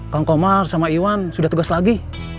kang komar sama iwan sudah tugas lagi